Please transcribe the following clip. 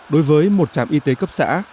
đối với một trạm y tế cấp xã